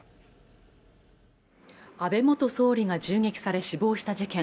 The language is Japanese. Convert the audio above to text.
安倍元総理が銃撃され死亡した事件。